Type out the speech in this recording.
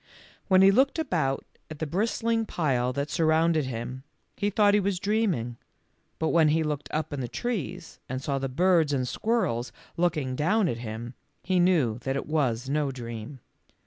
When he looked about at the bris tling pile that surrounded him, he thought he was dreaming, but when he looked up in the trees and saw the birds and squirrels looking down at him, he knew that it was no dream.